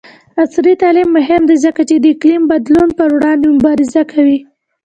عصري تعلیم مهم دی ځکه چې د اقلیم بدلون پر وړاندې مبارزه کوي.